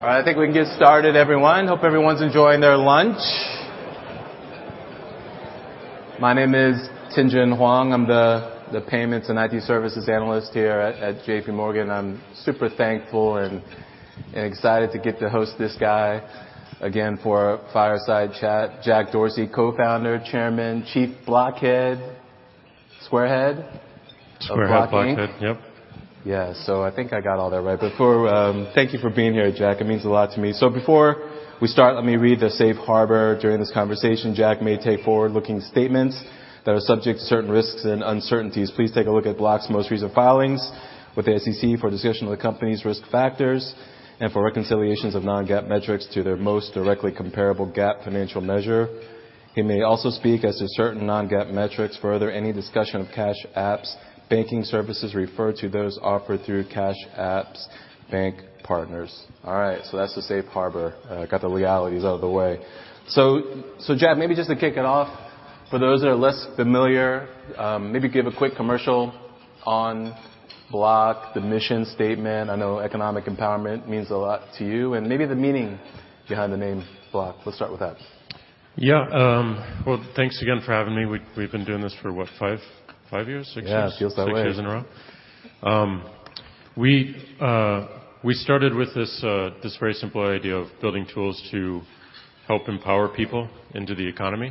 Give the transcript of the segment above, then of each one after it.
All right, I think we can get started, everyone. Hope everyone's enjoying their lunch. My name is Tien-Tsin Huang. I'm the Payments and IT Services analyst here at J.P. Morgan. I'm super thankful and excited to get to host this guy again for a fireside chat. Jack Dorsey, co-founder, chairman, chief Block Head. Square Head? Square Head, Block Head. Yep. Yeah. So I think I got all that right. But before... Thank you for being here, Jack. It means a lot to me. So before we start, let me read the safe harbor. During this conversation, Jack may make forward-looking statements that are subject to certain risks and uncertainties. Please take a look at Block's most recent filings with the SEC for a discussion of the company's risk factors and for reconciliations of non-GAAP metrics to their most directly comparable GAAP financial measure. He may also speak as to certain non-GAAP metrics. Further, any discussion of Cash App's banking services refer to those offered through Cash App's bank partners. All right, so that's the safe harbor. Got the legalities out of the way. So, Jack, maybe just to kick it off, for those that are less familiar, maybe give a quick commercial on Block, the mission statement. I know economic empowerment means a lot to you, and maybe the meaning behind the name Block. Let's start with that. Yeah. Well, thanks again for having me. We've been doing this for what? five years, six years? Yeah, it feels that way. Six years in a row. We started with this very simple idea of building tools to help empower people into the economy,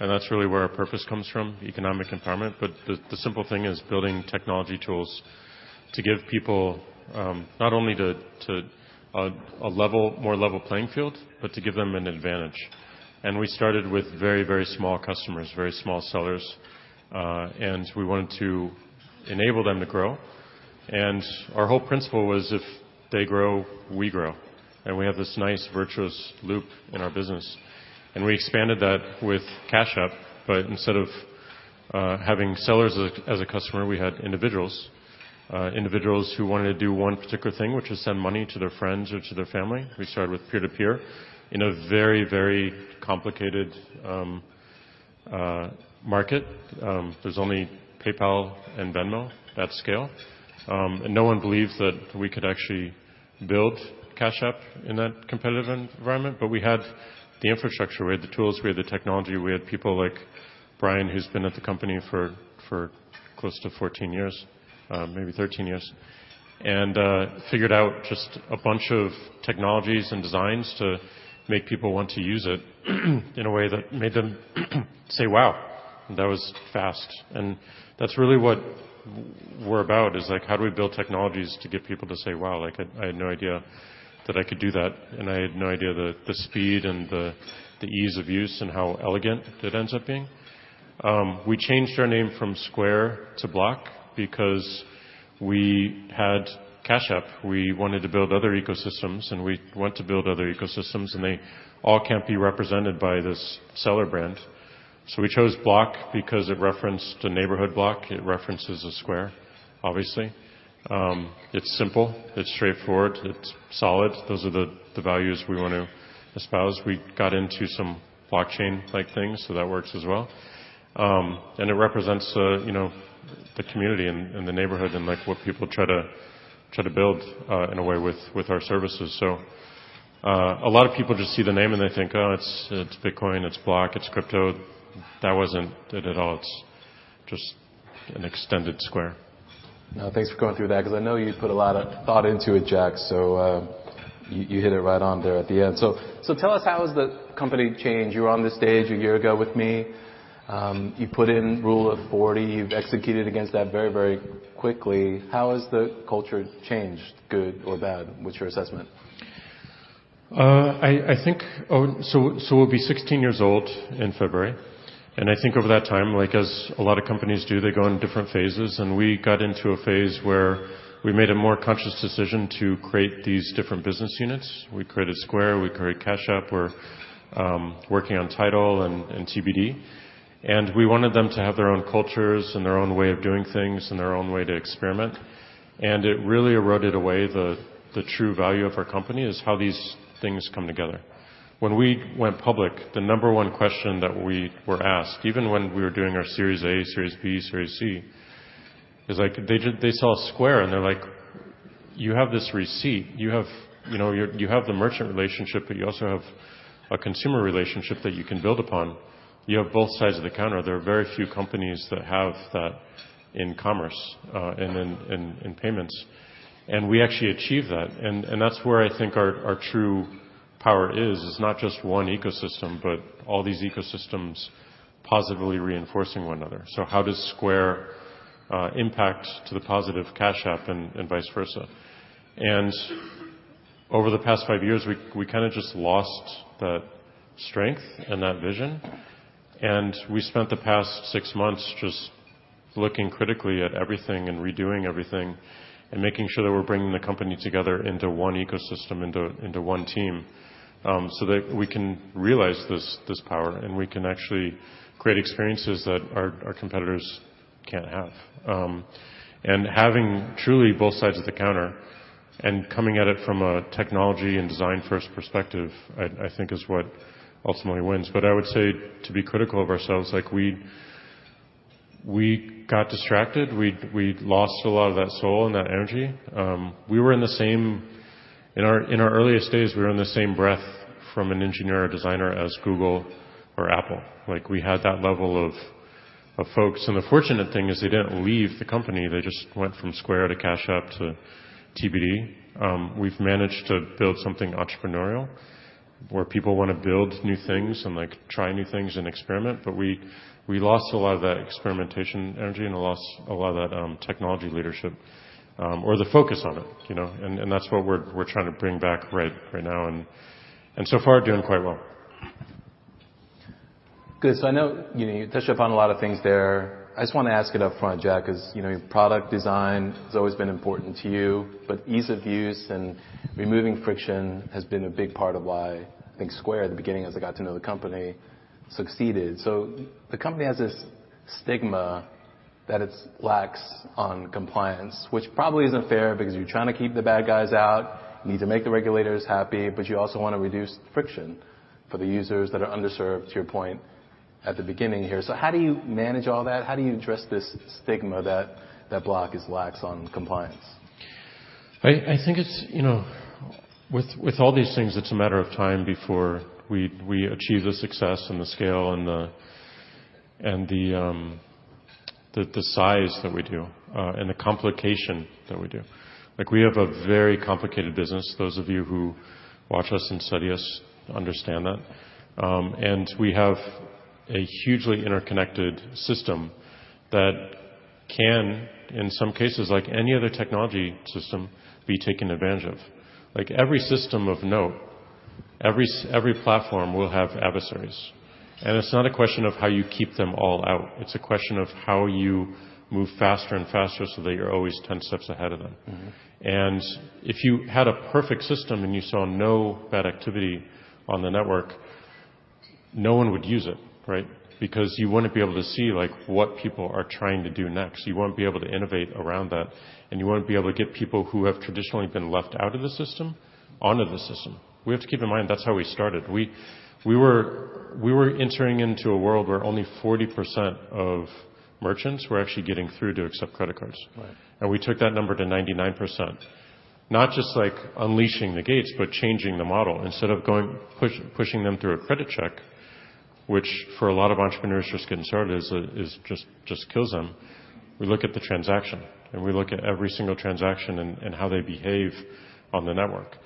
and that's really where our purpose comes from, economic empowerment. But the simple thing is building technology tools to give people not only a more level playing field, but to give them an advantage. And we started with very small customers, very small sellers, and we wanted to enable them to grow. And our whole principle was, if they grow, we grow, and we have this nice virtuous loop in our business. And we expanded that with Cash App, but instead of having sellers as a customer, we had individuals. Individuals who wanted to do one particular thing, which was send money to their friends or to their family. We started with peer-to-peer in a very, very complicated market. There's only PayPal and Venmo at scale, and no one believed that we could actually build Cash App in that competitive environment. But we had the infrastructure, we had the tools, we had the technology. We had people like Brian, who's been at the company for close to 14 years, maybe 13 years, and figured out just a bunch of technologies and designs to make people want to use it in a way that made them say, "Wow, that was fast!" And that's really what we're about, is like, how do we build technologies to get people to say, "Wow! Like, I had no idea that I could do that, and I had no idea the speed and the ease of use and how elegant it ends up being." We changed our name from Square to Block because we had Cash App. We wanted to build other ecosystems, and we went to build other ecosystems, and they all can't be represented by this seller brand. So we chose Block because it referenced a neighborhood block. It references a square, obviously. It's simple, it's straightforward, it's solid. Those are the values we want to espouse. We got into some blockchain-like things, so that works as well. And it represents, you know, the community and the neighborhood, and, like, what people try to build, in a way with our services. A lot of people just see the name and they think, "Oh, it's Bitcoin, it's Block, it's crypto." That wasn't it at all. It's just an extended Square. Now, thanks for going through that, because I know you put a lot of thought into it, Jack, so you hit it right on there at the end. So tell us, how has the company changed? You were on this stage a year ago with me. You put in Rule of 40. You've executed against that very, very quickly. How has the culture changed, good or bad? What's your assessment? I think... So we'll be 16 years old in February, and I think over that time, like as a lot of companies do, they go in different phases, and we got into a phase where we made a more conscious decision to create these different business units. We created Square, we created Cash App, we're working on Tidal and TBD, and we wanted them to have their own cultures and their own way of doing things and their own way to experiment. And it really eroded away the true value of our company, is how these things come together. When we went public, the number one question that we were asked, even when we were doing our Series A, Series B, Series C, is like, they saw Square, and they're like: You have this receipt, you know, you have the merchant relationship, but you also have a consumer relationship that you can build upon. You have both sides of the counter. There are very few companies that have that in commerce and in payments, and we actually achieved that. And that's where I think our true power is. It's not just one ecosystem, but all these ecosystems positively reinforcing one another. So how does Square impact to the positive Cash App and vice versa? Over the past five years, we kind of just lost that strength and that vision, and we spent the past six months just looking critically at everything and redoing everything and making sure that we're bringing the company together into one ecosystem, into one team, so that we can realize this power, and we can actually create experiences that our competitors can't have. And having truly both sides of the counter and coming at it from a technology and design-first perspective, I think is what ultimately wins. But I would say, to be critical of ourselves, like, we got distracted. We lost a lot of that soul and that energy. We were in our earliest days, we were in the same breath from an engineer or designer as Google or Apple. Like, we had that level of, of folks, and the fortunate thing is they didn't leave the company. They just went from Square to Cash App to TBD. We've managed to build something entrepreneurial, where people wanna build new things and, like, try new things and experiment, but we, we lost a lot of that experimentation energy, and we lost a lot of that, technology leadership, or the focus on it, you know? And, and that's what we're, we're trying to bring back right, right now, and, and so far, doing quite well. Good. So I know, you know, you touched upon a lot of things there. I just wanna ask it up front, Jack, 'cause, you know, your product design has always been important to you, but ease of use and removing friction has been a big part of why I think Square, at the beginning, as I got to know the company, succeeded. So the company has this stigma that it's lax on compliance, which probably isn't fair because you're trying to keep the bad guys out, you need to make the regulators happy, but you also want to reduce friction for the users that are underserved, to your point at the beginning here. So how do you manage all that? How do you address this stigma that Block is lax on compliance? I think it's, you know... With all these things, it's a matter of time before we achieve the success and the scale and the size that we do, and the complication that we do. Like, we have a very complicated business. Those of you who watch us and study us understand that. We have a hugely interconnected system that can, in some cases, like any other technology system, be taken advantage of. Like, every system of note, every platform will have adversaries, and it's not a question of how you keep them all out. It's a question of how you move faster and faster so that you're always ten steps ahead of them. Mm-hmm. If you had a perfect system, and you saw no bad activity on the network, no one would use it, right? Because you wouldn't be able to see, like, what people are trying to do next. You won't be able to innovate around that, and you won't be able to get people who have traditionally been left out of the system onto the system. We have to keep in mind, that's how we started. We were entering into a world where only 40% of merchants were actually getting through to accept credit cards. Right. We took that number to 99%. Not just like unleashing the gates, but changing the model. Instead of going, pushing them through a credit check, which for a lot of entrepreneurs just getting started, is just kills them, we look at the transaction, and we look at every single transaction and how they behave on the network.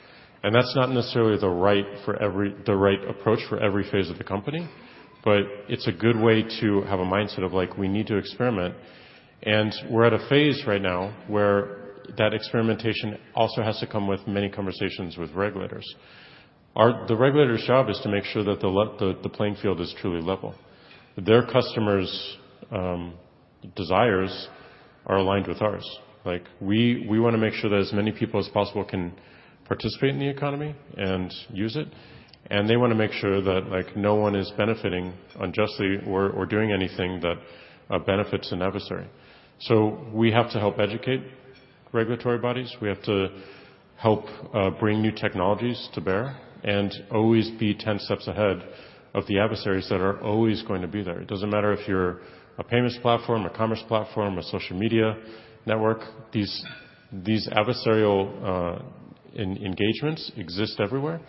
And that's not necessarily the right approach for every phase of the company, but it's a good way to have a mindset of, like: We need to experiment. And we're at a phase right now where that experimentation also has to come with many conversations with regulators. The regulator's job is to make sure that the playing field is truly level. Their customers' desires are aligned with ours. Like, we wanna make sure that as many people as possible can participate in the economy and use it, and they wanna make sure that, like, no one is benefiting unjustly or doing anything that benefits an adversary. So we have to help educate regulatory bodies. We have to help bring new technologies to bear and always be ten steps ahead of the adversaries that are always going to be there. It doesn't matter if you're a payments platform, a commerce platform, a social media network, these adversarial engagements exist everywhere,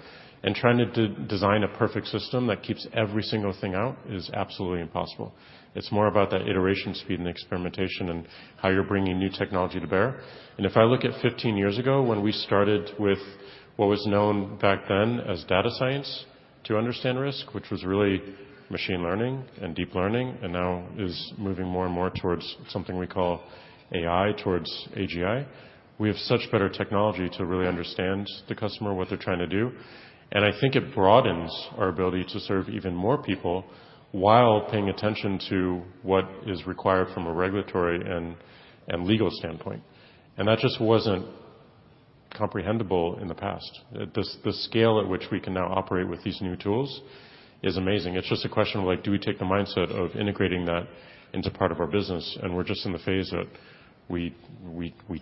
and trying to design a perfect system that keeps every single thing out is absolutely impossible. It's more about that iteration speed and experimentation and how you're bringing new technology to bear. If I look at 15 years ago, when we started with what was known back then as data science, to understand risk, which was really machine learning and deep learning, and now is moving more and more towards something we call AI, towards AGI. We have such better technology to really understand the customer, what they're trying to do, and I think it broadens our ability to serve even more people while paying attention to what is required from a regulatory and legal standpoint. That just wasn't comprehensible in the past. The scale at which we can now operate with these new tools is amazing. It's just a question of, like, do we take the mindset of integrating that into part of our business? We're just in the phase that we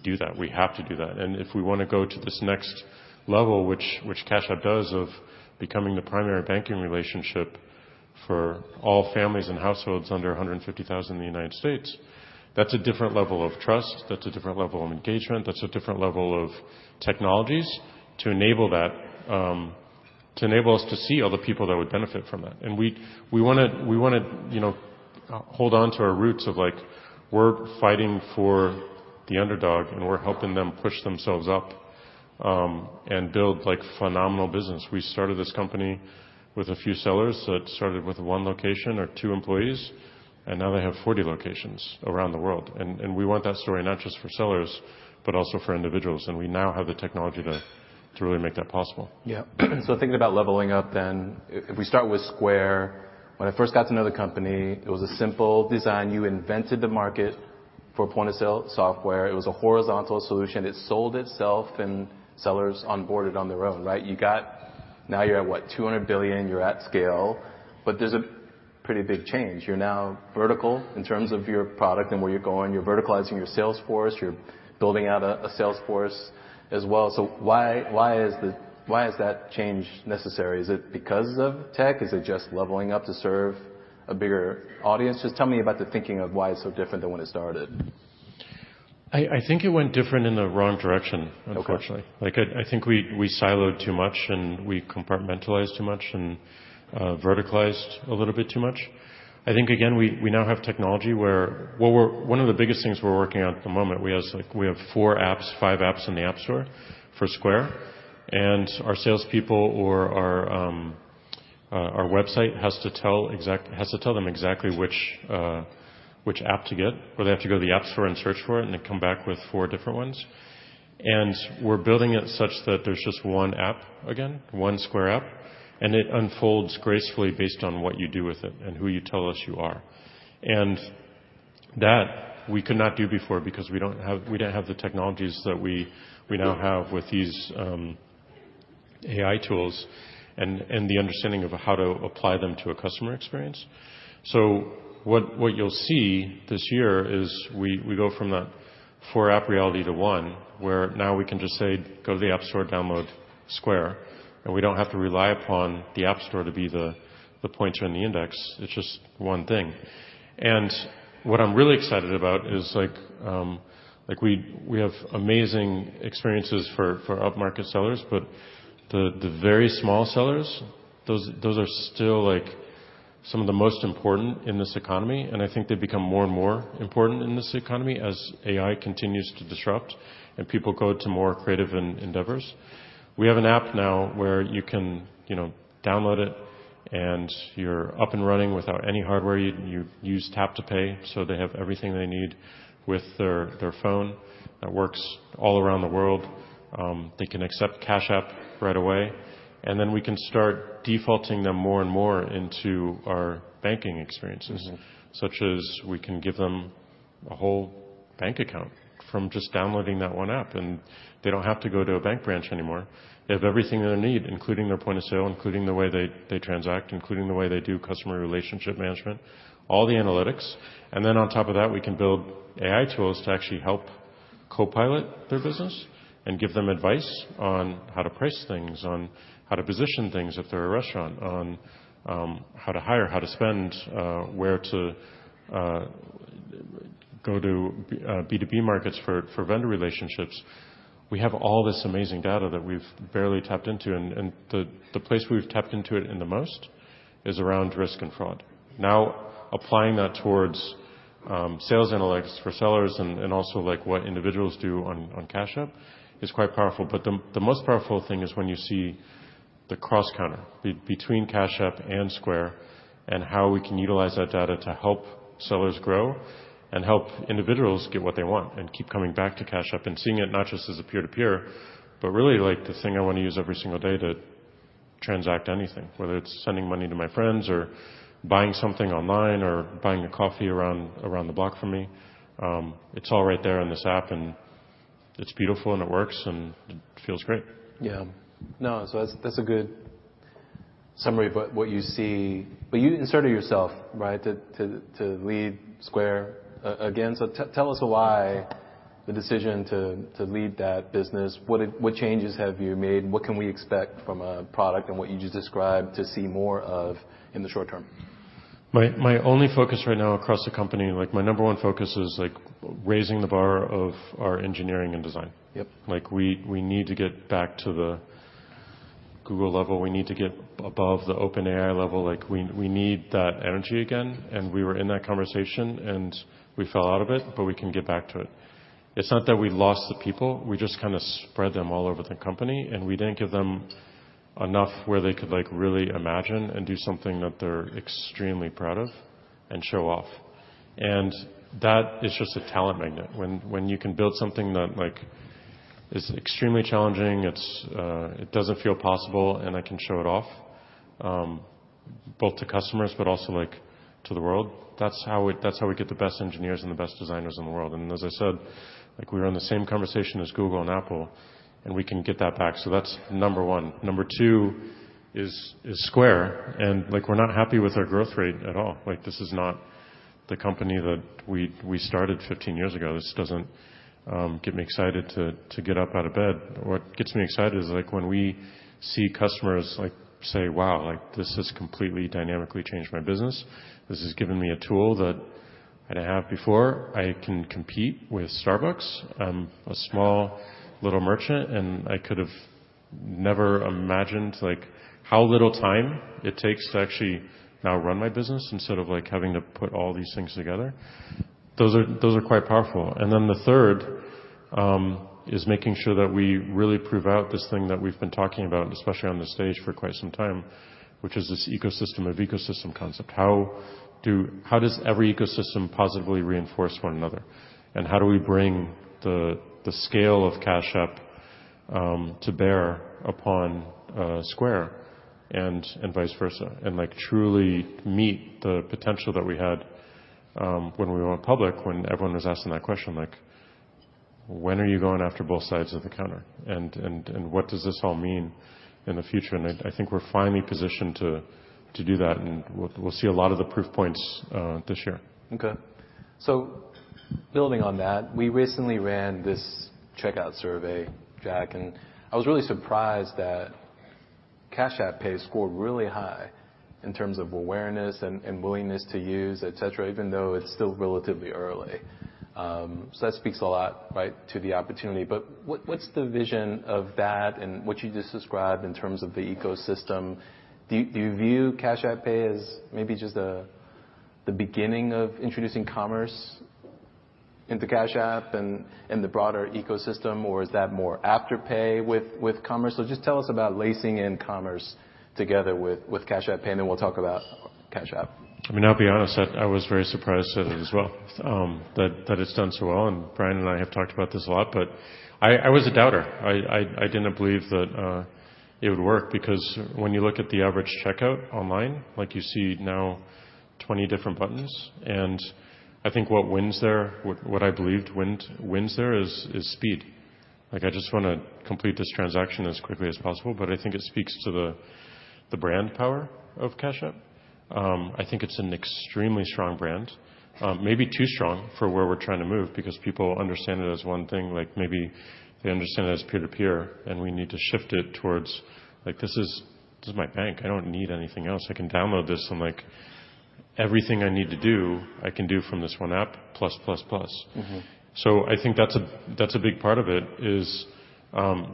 do that. We have to do that. And if we wanna go to this next level, which Cash App does, of becoming the primary banking relationship for all families and households under 150,000 in the United States, that's a different level of trust, that's a different level of engagement, that's a different level of technologies to enable that, to enable us to see all the people that would benefit from that. And we wanna, you know, hold on to our roots of, like, we're fighting for the underdog, and we're helping them push themselves up, and build, like, phenomenal business. We started this company with a few sellers that started with one location or two employees, and now they have 40 locations around the world. And we want that story not just for sellers, but also for individuals, and we now have the technology to really make that possible. Yeah. So thinking about leveling up then, if we start with Square, when I first got to know the company, it was a simple design. You invented the market for point-of-sale software. It was a horizontal solution. It sold itself, and sellers onboarded on their own, right? Now you're at what? $200 billion, you're at scale, but there's a pretty big change. You're now vertical in terms of your product and where you're going. You're verticalizing your sales force. You're building out a sales force as well. So why is that change necessary? Is it because of tech? Is it just leveling up to serve a bigger audience? Just tell me about the thinking of why it's so different than when it started.... I think it went different in the wrong direction, unfortunately. Okay. Like, I think we siloed too much, and we compartmentalized too much and verticalized a little bit too much. I think, again, we now have technology where. Well, we're. One of the biggest things we're working on at the moment, we have like, we have four apps, five apps in the App Store for Square, and our salespeople or our website has to tell them exactly which app to get, or they have to go to the App Store and search for it, and they come back with four different ones. And we're building it such that there's just one app again, one Square app, and it unfolds gracefully based on what you do with it and who you tell us you are. And that we could not do before because we didn't have the technologies that we now have with these AI tools and the understanding of how to apply them to a customer experience. So what you'll see this year is we go from the four app reality to one, where now we can just say, "Go to the App Store, download Square," and we don't have to rely upon the App Store to be the pointer and the index. It's just one thing. And what I'm really excited about is, like, we have amazing experiences for up-market sellers, but the very small sellers, those are still, like, some of the most important in this economy, and I think they become more and more important in this economy as AI continues to disrupt and people go to more creative endeavors. We have an app now where you can, you know, download it, and you're up and running without any hardware. You use Tap to Pay, so they have everything they need with their phone. That works all around the world. They can accept Cash App right away, and then we can start defaulting them more and more into our banking experiences- Mm-hmm. such as we can give them a whole bank account from just downloading that one app, and they don't have to go to a bank branch anymore. They have everything they need, including their point of sale, including the way they, they transact, including the way they do customer relationship management, all the analytics. And then on top of that, we can build AI tools to actually help co-pilot their business and give them advice on how to price things, on how to position things if they're a restaurant, on, how to hire, how to spend, where to, go to, B2B markets for, for vendor relationships. We have all this amazing data that we've barely tapped into, and, and the, the place we've tapped into it in the most is around risk and fraud. Now, applying that towards sales analytics for sellers and also, like, what individuals do on Cash App is quite powerful. But the most powerful thing is when you see the cross counter between Cash App and Square, and how we can utilize that data to help sellers grow and help individuals get what they want and keep coming back to Cash App and seeing it not just as a peer-to-peer, but really, like, the thing I want to use every single day to transact anything, whether it's sending money to my friends or buying something online or buying a coffee around the block from me. It's all right there in this app, and it's beautiful, and it works, and it feels great. Yeah. No, so that's a good summary of what you see. But you inserted yourself, right, to lead Square again. So tell us why the decision to lead that business, what did... What changes have you made? What can we expect from a product and what you just described to see more of in the short term? My only focus right now across the company, like, my number one focus is, like, raising the bar of our engineering and design. Yep. Like, we, we need to get back to the Google level. We need to get above the OpenAI level. Like, we, we need that energy again, and we were in that conversation, and we fell out of it, but we can get back to it. It's not that we lost the people. We just kinda spread them all over the company, and we didn't give them enough where they could, like, really imagine and do something that they're extremely proud of and show off. And that is just a talent magnet. When, when you can build something that, like, is extremely challenging, it's. It doesn't feel possible, and I can show it off, both to customers, but also, like, to the world, that's how we, that's how we get the best engineers and the best designers in the world. As I said, like, we were in the same conversation as Google and Apple, and we can get that back. That's number one. Number two is Square, and, like, we're not happy with our growth rate at all. Like, this is not the company that we started 15 years ago. This doesn't get me excited to get up out of bed. What gets me excited is, like, when we see customers, like, say, "Wow, like, this has completely dynamically changed my business. This has given me a tool that I didn't have before. I can compete with Starbucks. I'm a small, little merchant, and I could have never imagined, like, how little time it takes to actually now run my business instead of, like, having to put all these things together." Those are quite powerful. And then the third is making sure that we really prove out this thing that we've been talking about, especially on this stage, for quite some time, which is this ecosystem of ecosystem concept. How does every ecosystem positively reinforce one another? And how do we bring the scale of Cash App to bear upon Square and vice versa, and, like, truly meet the potential that we had when we went public, when everyone was asking that question, like: "When are you going after both sides of the counter? And what does this all mean in the future?" And I think we're finally positioned to do that, and we'll see a lot of the proof points this year. Okay. So building on that, we recently ran this checkout survey, Jack, and I was really surprised that Cash App Pay scored really high in terms of awareness and willingness to use, et cetera, even though it's still relatively early. So that speaks a lot, right, to the opportunity. But what's the vision of that and what you just described in terms of the ecosystem? Do you view Cash App Pay as maybe just the beginning of introducing commerce into Cash App and in the broader ecosystem, or is that more Afterpay with commerce? So just tell us about lacing in commerce together with Cash App Pay, and then we'll talk about Cash App. I mean, I'll be honest, I was very surprised at it as well, that it's done so well, and Brian and I have talked about this a lot, but I was a doubter. I didn't believe that it would work because when you look at the average checkout online, like you see now 20 different buttons, and I think what wins there, what I believed wins there is speed. Like, I just wanna complete this transaction as quickly as possible. But I think it speaks to the brand power of Cash App. I think it's an extremely strong brand, maybe too strong for where we're trying to move, because people understand it as one thing, like maybe they understand it as peer-to-peer, and we need to shift it towards, like, this is my bank. I don't need anything else. I can download this, and, like, everything I need to do, I can do from this one app, plus, plus, plus. Mm-hmm. So I think that's a big part of it, is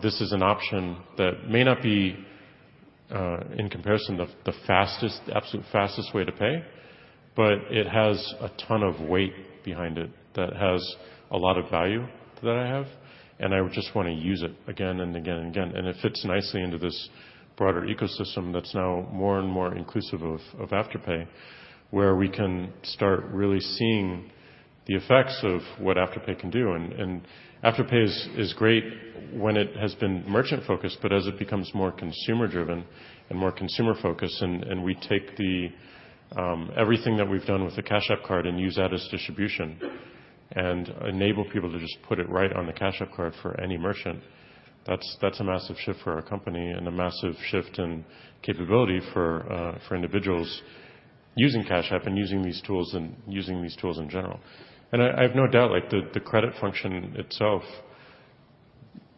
this an option that may not be, in comparison, the fastest, absolute fastest way to pay, but it has a ton of weight behind it that has a lot of value that I have, and I just wanna use it again and again and again. And it fits nicely into this broader ecosystem that's now more and more inclusive of Afterpay, where we can start really seeing the effects of what Afterpay can do. And Afterpay is great when it has been merchant focused, but as it becomes more consumer driven and more consumer focused, and we take the... Everything that we've done with the Cash App Card and use that as distribution and enable people to just put it right on the Cash App Card for any merchant, that's, that's a massive shift for our company and a massive shift in capability for individuals using Cash App and using these tools, and using these tools in general. And I, I have no doubt, like, the credit function itself,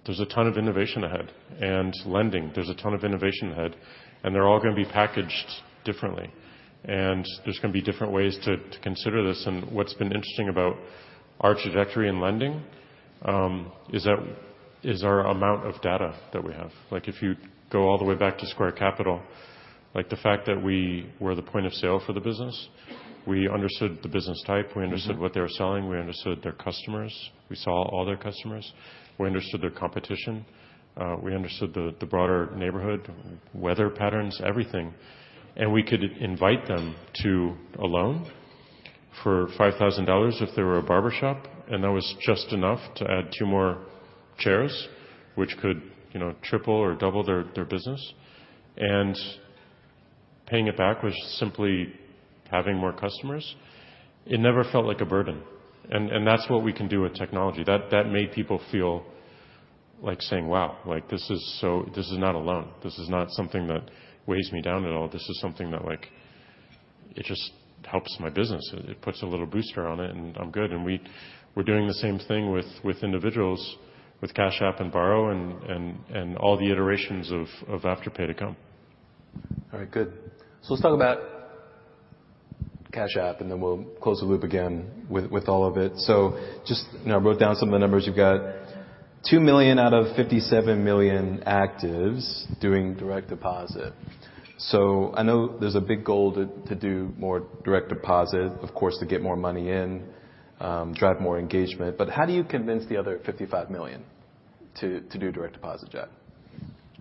there's a ton of innovation ahead. And lending, there's a ton of innovation ahead, and they're all gonna be packaged differently. And there's gonna be different ways to consider this. And what's been interesting about our trajectory in lending is that is our amount of data that we have. Like, if you go all the way back to Square Capital, like, the fact that we were the point of sale for the business, we understood the business type- Mm-hmm. We understood what they were selling, we understood their customers. We saw all their customers. We understood their competition. We understood the broader neighborhood, weather patterns, everything. And we could invite them to a loan for $5,000 if they were a barbershop, and that was just enough to add two more chairs, which could, you know, triple or double their business. And paying it back was simply having more customers. It never felt like a burden. And that's what we can do with technology. That made people feel like saying, "Wow, like, this is so—this is not a loan. This is not something that weighs me down at all. This is something that, like, it just helps my business. It puts a little booster on it, and I'm good." And we're doing the same thing with individuals, with Cash App and Borrow and all the iterations of Afterpay to come. All right, good. So let's talk about Cash App, and then we'll close the loop again with all of it. So just, you know, I wrote down some of the numbers. You've got 2 million out of 57 million actives doing direct deposit. So I know there's a big goal to do more direct deposit, of course, to get more money in, drive more engagement. But how do you convince the other 55 million to do direct deposit, Jack?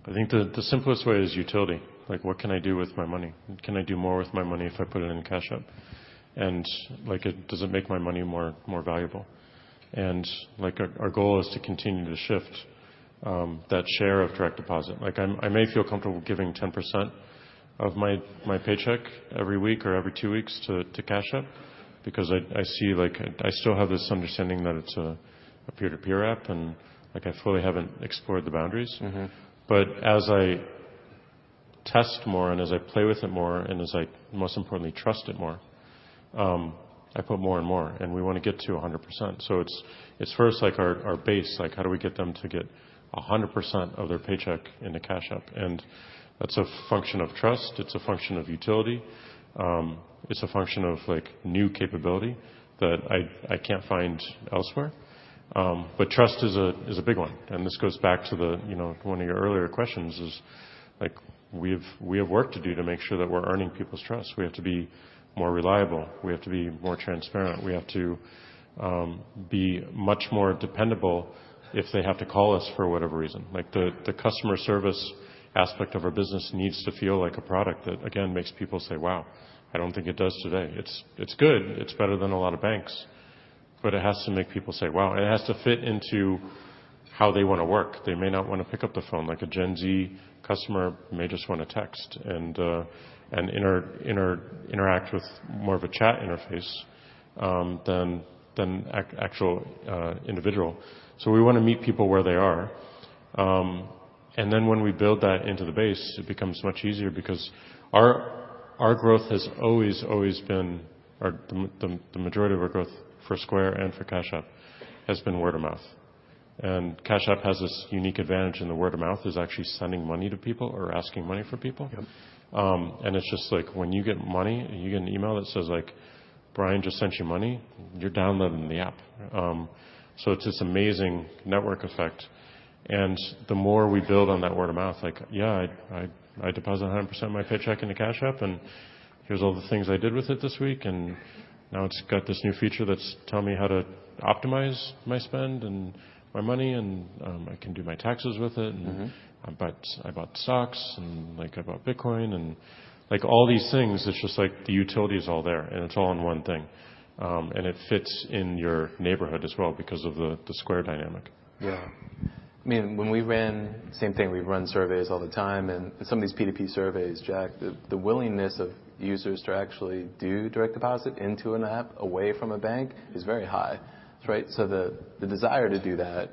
I think the simplest way is utility. Like, what can I do with my money? Can I do more with my money if I put it in Cash App? And, like, does it make my money more valuable? And, like, our goal is to continue to shift that share of Direct Deposit. Like, I may feel comfortable giving 10% of my paycheck every week or every two weeks to Cash App because I see... Like, I still have this understanding that it's a peer-to-peer app, and, like, I fully haven't explored the boundaries. Mm-hmm. But as I test more and as I play with it more, and as I, most importantly, trust it more, I put more and more, and we wanna get to 100%. So it's first, like, our base, like, how do we get them to get 100% of their paycheck into Cash App? And that's a function of trust. It's a function of utility. It's a function of, like, new capability that I can't find elsewhere. But trust is a big one, and this goes back to the, you know, one of your earlier questions is, like, we have work to do to make sure that we're earning people's trust. We have to be more reliable. We have to be more transparent. We have to be much more dependable if they have to call us for whatever reason. Like, the customer service aspect of our business needs to feel like a product that, again, makes people say, "Wow!" I don't think it does today. It's good. It's better than a lot of banks, but it has to make people say, "Wow!" It has to fit into how they wanna work. They may not wanna pick up the phone. Like, a Gen Z customer may just wanna text and interact with more of a chat interface than actual individual. So we wanna meet people where they are. And then when we build that into the base, it becomes much easier because our growth has always been... The majority of our growth for Square and for Cash App has been word of mouth, and Cash App has this unique advantage, and the word of mouth is actually sending money to people or asking money for people. Yep. And it's just like when you get money, you get an email that says like, "Brian just sent you money," you're downloading the app. So it's this amazing network effect, and the more we build on that word of mouth, like, yeah, I deposit 100% my paycheck into Cash App, and here's all the things I did with it this week, and now it's got this new feature that's telling me how to optimize my spend and my money, and I can do my taxes with it. Mm-hmm. But I bought stocks, and, like, I bought Bitcoin and, like, all these things, it's just like the utility is all there, and it's all in one thing. And it fits in your neighborhood as well because of the Square dynamic. Yeah. I mean, same thing, we run surveys all the time, and some of these P2P surveys, Jack, the willingness of users to actually do direct deposit into an app away from a bank is very high, right? So the desire to do that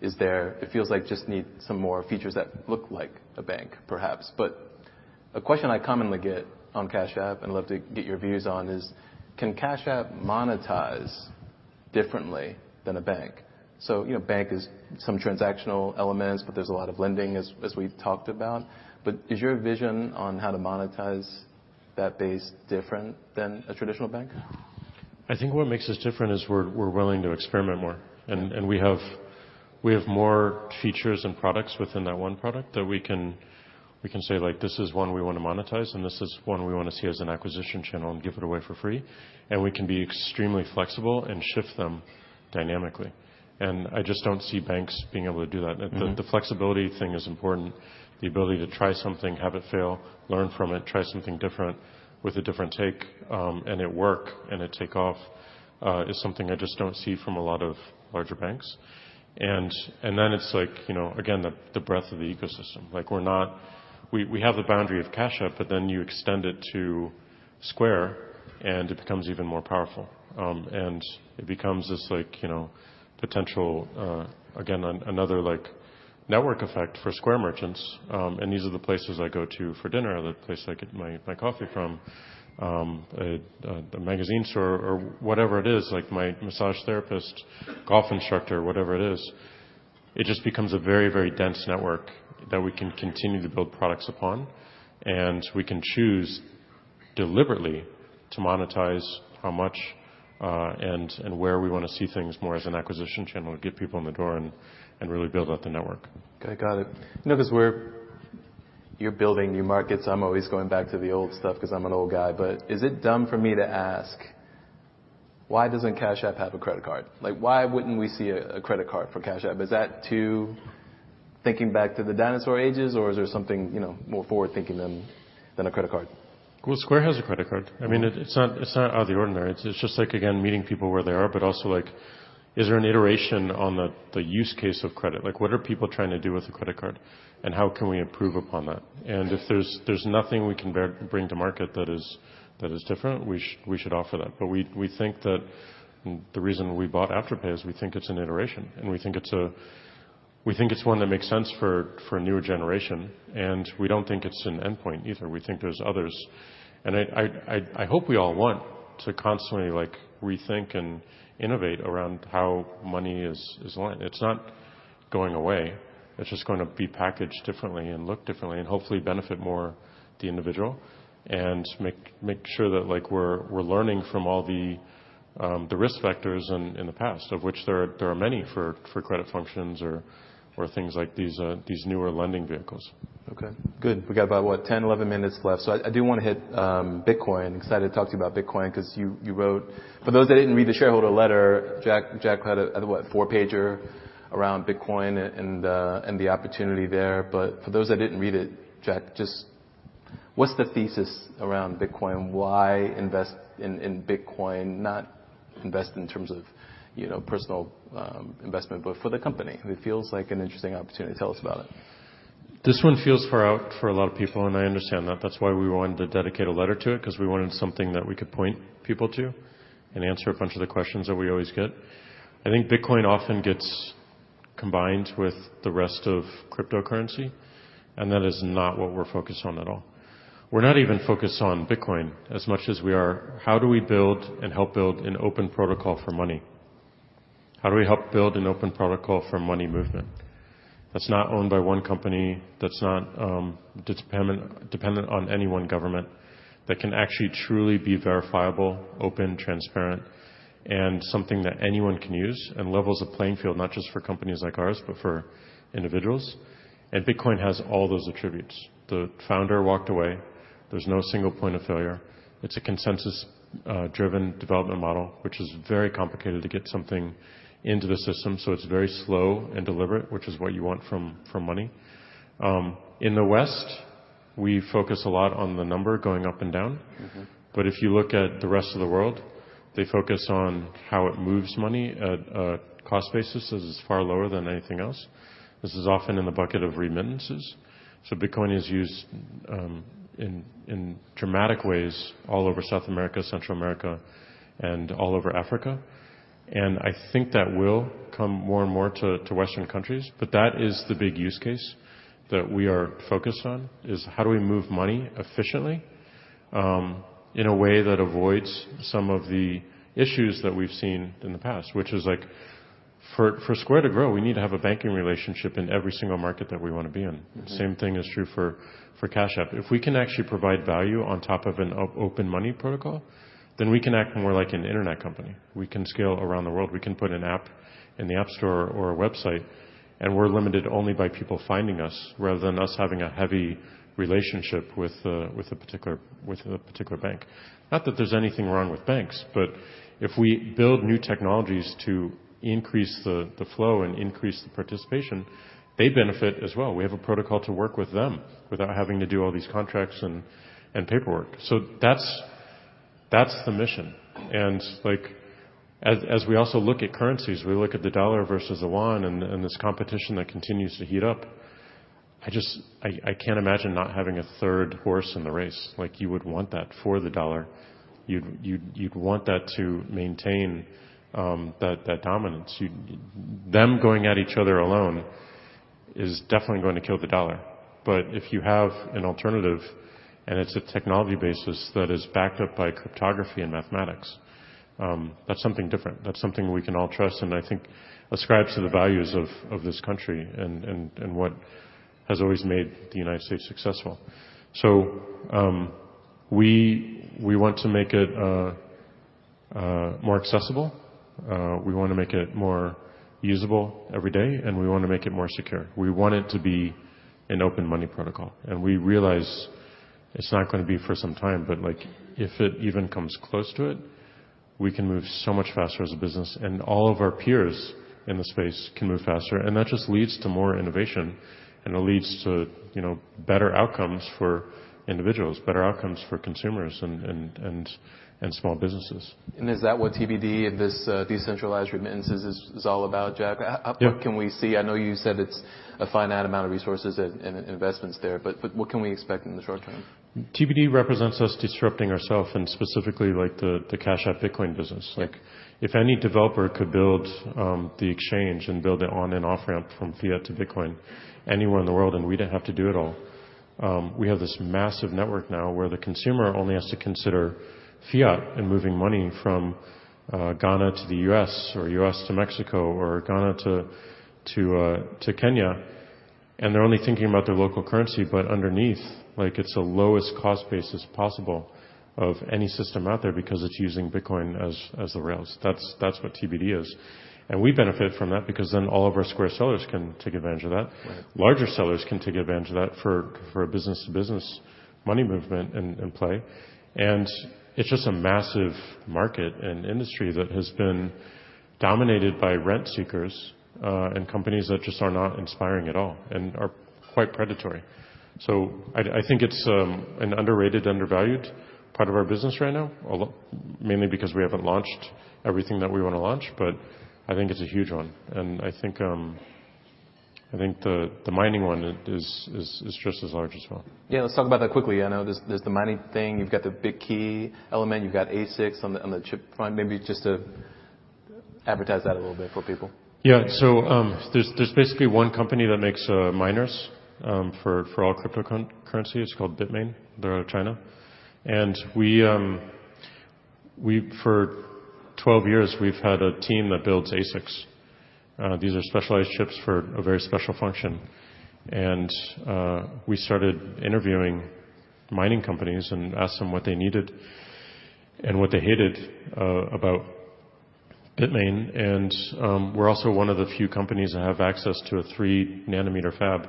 is there. It feels like just need some more features that look like a bank, perhaps. But a question I commonly get on Cash App, and I'd love to get your views on, is can Cash App monetize differently than a bank? So, you know, bank is some transactional elements, but there's a lot of lending, as we've talked about, but is your vision on how to monetize that base different than a traditional bank? I think what makes us different is we're willing to experiment more, and we have more features and products within that one product that we can say, like, "This is one we wanna monetize, and this is one we wanna see as an acquisition channel and give it away for free." And we can be extremely flexible and shift them dynamically. And I just don't see banks being able to do that. Mm-hmm. The flexibility thing is important. The ability to try something, have it fail, learn from it, try something different with a different take, and it work, and it take off, is something I just don't see from a lot of larger banks. And then it's like, you know, again, the breadth of the ecosystem. Like, we're not... We have the boundary of Cash App, but then you extend it to Square, and it becomes even more powerful. And it becomes this like, you know, potential, again, another, like, network effect for Square merchants. These are the places I go to for dinner or the place I get my, my coffee from, the magazine store or whatever it is, like my massage therapist, golf instructor, whatever it is, it just becomes a very, very dense network that we can continue to build products upon, and we can choose deliberately to monetize how much, and where we wanna see things more as an acquisition channel to get people in the door and really build out the network. Okay, got it. You know, 'cause we're... You're building new markets. I'm always going back to the old stuff 'cause I'm an old guy, but is it dumb for me to ask: Why doesn't Cash App have a credit card? Like, why wouldn't we see a, a credit card for Cash App? Is that too thinking back to the dinosaur ages, or is there something, you know, more forward-thinking than, than a credit card? Well, Square has a credit card. Mm. I mean, it's not out of the ordinary. It's just like, again, meeting people where they are, but also, like, is there an iteration on the use case of credit? Like, what are people trying to do with a credit card, and how can we improve upon that? And if there's nothing we can bring to market that is different, we should offer that. But we think that the reason we bought Afterpay is we think it's an iteration, and we think it's a... We think it's one that makes sense for a newer generation, and we don't think it's an endpoint either. We think there's others. And I hope we all want to constantly, like, rethink and innovate around how money is lined. It's not going away. It's just gonna be packaged differently and look differently and hopefully benefit more the individual, and make sure that, like, we're learning from all the risk factors in the past, of which there are many for credit functions or things like these newer lending vehicles. Okay, good. We got about, what, 10, 11 minutes left. So I do wanna hit Bitcoin. Excited to talk to you about Bitcoin 'cause you wrote... For those that didn't read the shareholder letter, Jack, Jack had a, a what? four-pager around Bitcoin and the opportunity there. But for those that didn't read it, Jack, just what's the thesis around Bitcoin? Why invest in Bitcoin? Not invest in terms of, you know, personal investment, but for the company. It feels like an interesting opportunity. Tell us about it. This one feels far out for a lot of people, and I understand that. That's why we wanted to dedicate a letter to it, 'cause we wanted something that we could point people to and answer a bunch of the questions that we always get. I think Bitcoin often gets combined with the rest of cryptocurrency, and that is not what we're focused on at all. We're not even focused on Bitcoin as much as we are: How do we build and help build an open protocol for money? How do we help build an open protocol for money movement that's not owned by one company, that's not dependent on any one government, that can actually truly be verifiable, open, transparent, and something that anyone can use and levels the playing field, not just for companies like ours, but for individuals? And Bitcoin has all those attributes. The founder walked away. There's no single point of failure. It's a consensus driven development model, which is very complicated to get something into the system, so it's very slow and deliberate, which is what you want from, from money. In the West, we focus a lot on the number going up and down. Mm-hmm. But if you look at the rest of the world, they focus on how it moves money at a cost basis that is far lower than anything else. This is often in the bucket of remittances. So Bitcoin is used in dramatic ways all over South America, Central America, and all over Africa, and I think that will come more and more to Western countries. But that is the big use case that we are focused on, is how do we move money efficiently? In a way that avoids some of the issues that we've seen in the past, which is like for Square to grow, we need to have a banking relationship in every single market that we want to be in. Mm-hmm. The same thing is true for Cash App. If we can actually provide value on top of an open money protocol, then we can act more like an internet company. We can scale around the world. We can put an app in the App Store or a website, and we're limited only by people finding us, rather than us having a heavy relationship with a particular bank. Not that there's anything wrong with banks, but if we build new technologies to increase the flow and increase the participation, they benefit as well. We have a protocol to work with them without having to do all these contracts and paperwork. So that's the mission. Like, as we also look at currencies, we look at the U.S. dollar versus the Chinese yuan and this competition that continues to heat up, I just can't imagine not having a third horse in the race. Like, you would want that for the U.S. dollar. You'd want that to maintain that dominance. Them going at each other alone is definitely going to kill the U.S. dollar. But if you have an alternative, and it's a technology basis that is backed up by cryptography and mathematics, that's something different. That's something we can all trust, and I think ascribes to the values of this country and what has always made the United States successful. We want to make it more accessible, we want to make it more usable every day, and we want to make it more secure. We want it to be an open money protocol, and we realize it's not going to be for some time, but, like, if it even comes close to it, we can move so much faster as a business, and all of our peers in the space can move faster. And that just leads to more innovation, and it leads to, you know, better outcomes for individuals, better outcomes for consumers and small businesses. Is that what TBD and this decentralized remittances is, is all about, Jack? Yeah. How far can we see? I know you said it's a finite amount of resources and investments there, but what can we expect in the short term? TBD represents us disrupting ourself and specifically, like, the Cash App Bitcoin business. Like, if any developer could build the exchange and build it on and off-ramp from fiat to Bitcoin anywhere in the world, and we didn't have to do it all, we have this massive network now where the consumer only has to consider fiat and moving money from Ghana to the U.S., or U.S. to Mexico, or Ghana to Kenya, and they're only thinking about their local currency. But underneath, like, it's the lowest cost basis possible of any system out there because it's using Bitcoin as the rails. That's what TBD is. And we benefit from that because then all of our Square sellers can take advantage of that. Right. Larger sellers can take advantage of that for a business-to-business money movement and play. And it's just a massive market and industry that has been dominated by rent seekers and companies that just are not inspiring at all, and are quite predatory. So I think it's an underrated, undervalued part of our business right now, although mainly because we haven't launched everything that we want to launch, but I think it's a huge one. And I think the mining one is just as large as well. Yeah, let's talk about that quickly. I know there's the mining thing. You've got the Bitkey element. You've got ASICs on the chip front. Maybe just to advertise that a little bit for people. Yeah. So, there's basically one company that makes miners for all cryptocurrency. It's called Bitmain. They're out of China. And we, for 12 years, we've had a team that builds ASICs. These are specialized chips for a very special function. And we started interviewing mining companies and asked them what they needed and what they hated about Bitmain. And we're also one of the few companies that have access to a three-nanometer fab,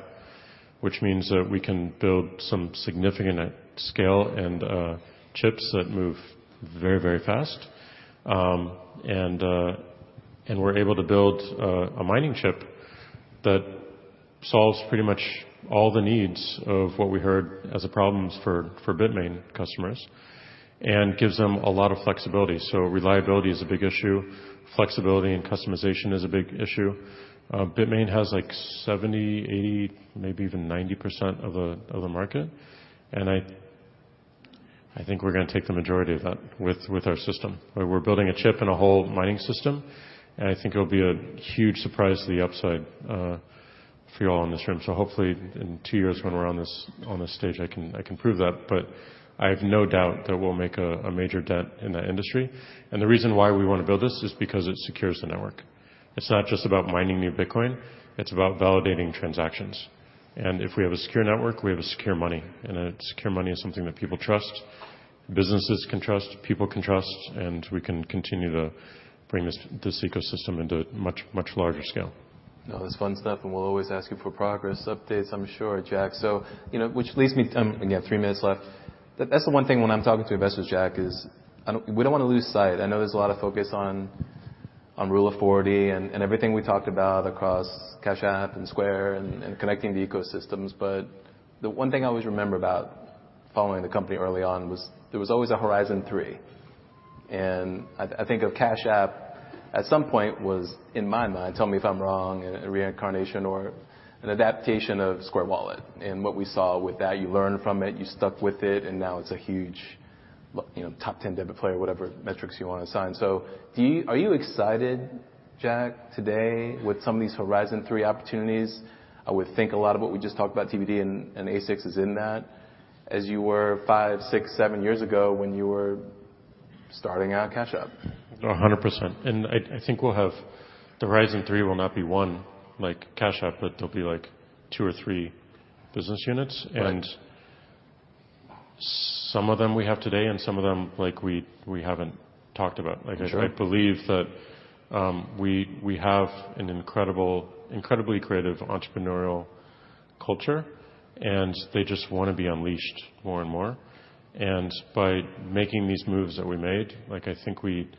which means that we can build some significant scale and chips that move very, very fast. And we're able to build a mining chip that solves pretty much all the needs of what we heard as the problems for Bitmain customers and gives them a lot of flexibility. So reliability is a big issue, flexibility and customization is a big issue. Bitmain has, like, 70, 80, maybe even 90% of the market, and I think we're going to take the majority of that with our system. We're building a chip and a whole mining system, and I think it'll be a huge surprise to the upside, for you all in this room. So hopefully, in two years, when we're on this stage, I can prove that, but I have no doubt that we'll make a major dent in that industry. And the reason why we want to build this is because it secures the network. It's not just about mining new Bitcoin, it's about validating transactions. And if we have a secure network, we have a secure money. A secure money is something that people trust, businesses can trust, people can trust, and we can continue to bring this ecosystem into a much, much larger scale. No, it's fun stuff, and we'll always ask you for progress updates, I'm sure, Jack. So, you know, which leads me... Again, three minutes left. That's the one thing when I'm talking to investors, Jack, is I don't, we don't want to lose sight. I know there's a lot of focus on, on Rule of 40 and, and everything we talked about across Cash App and Square and, and connecting the ecosystems. But the one thing I always remember about following the company early on was there was always a Horizon Three. And I, I think of Cash App, at some point, was, in my mind, tell me if I'm wrong, a reincarnation or an adaptation of Square Wallet. And what we saw with that, you learned from it, you stuck with it, and now it's a huge-... Well, you know, top 10 debit player, whatever metrics you want to assign. So, are you excited, Jack, today, with some of these Horizon Three opportunities? I would think a lot of what we just talked about, TBD and ASICs is in that, as you were five, six, seven years ago when you were starting out Cash App. 100%. And I think we'll have the Horizon Three will not be one like Cash App, but there'll be, like, two or three business units. Right. Some of them we have today, and some of them, like, we haven't talked about. Sure. Like, I believe that we have an incredibly creative entrepreneurial culture, and they just wanna be unleashed more and more. And by making these moves that we made, like, I think we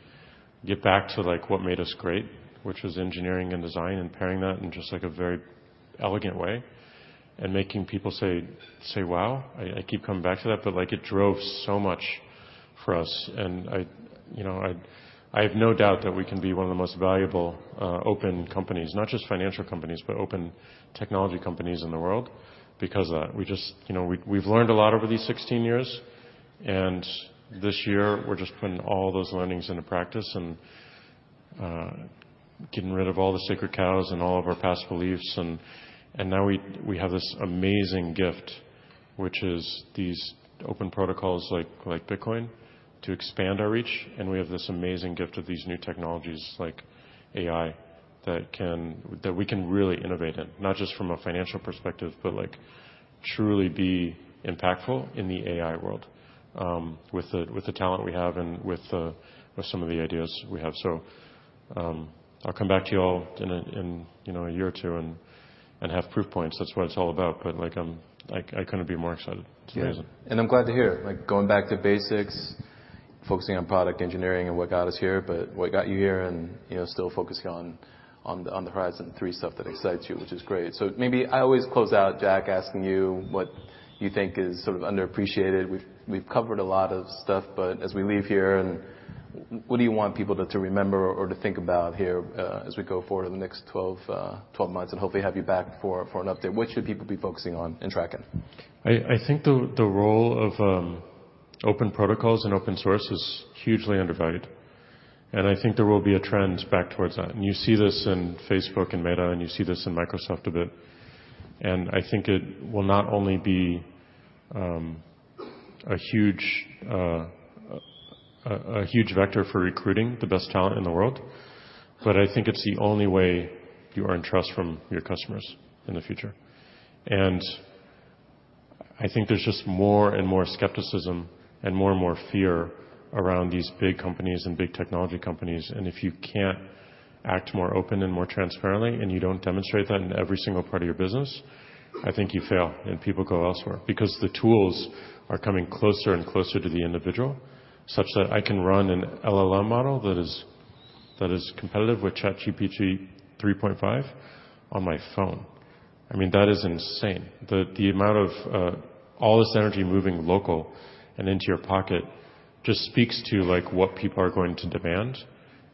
get back to, like, what made us great, which is engineering and design, and pairing that in just, like, a very elegant way, and making people say, "Wow!" I keep coming back to that, but, like, it drove so much for us. And I, you know, I have no doubt that we can be one of the most valuable open companies. Not just financial companies, but open technology companies in the world because we just... You know, we, we've learned a lot over these 16 years, and this year we're just putting all those learnings into practice and getting rid of all the sacred cows and all of our past beliefs. And now we have this amazing gift, which is these open protocols, like Bitcoin, to expand our reach, and we have this amazing gift of these new technologies like AI that we can really innovate in, not just from a financial perspective, but like truly be impactful in the AI world, with the talent we have and with some of the ideas we have. So I'll come back to you all in a you know a year or two and have proof points. That's what it's all about, but like I'm... Like I couldn't be more excited. It's amazing. I'm glad to hear. Like, going back to basics, focusing on product engineering and what got us here, but what got you here and, you know, still focusing on the Horizon Three stuff that excites you, which is great. So maybe I always close out, Jack, asking you what you think is sort of underappreciated. We've covered a lot of stuff, but as we leave here, and what do you want people to remember or to think about here, as we go forward in the next 12 months, and hopefully have you back for an update? What should people be focusing on and tracking? I think the role of open protocols and open source is hugely undervalued, and I think there will be a trend back towards that. And you see this in Facebook and Meta, and you see this in Microsoft a bit. And I think it will not only be a huge vector for recruiting the best talent in the world, but I think it's the only way you earn trust from your customers in the future. And I think there's just more and more skepticism and more and more fear around these big companies and big technology companies, and if you can't act more open and more transparently, and you don't demonstrate that in every single part of your business, I think you fail, and people go elsewhere. Because the tools are coming closer and closer to the individual, such that I can run an LLM model that is competitive with ChatGPT 3.5 on my phone. I mean, that is insane. The amount of all this energy moving local and into your pocket just speaks to, like, what people are going to demand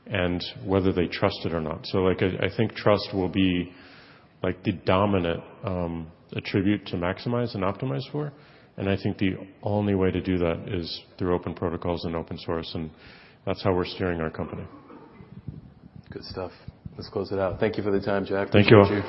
and whether they trust it or not. So, like, I think trust will be, like, the dominant attribute to maximize and optimize for, and I think the only way to do that is through open protocols and open source, and that's how we're steering our company. Good stuff. Let's close it out. Thank you for the time, Jack. Thank you.